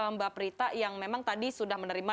mbak prita yang memang tadi sudah menerima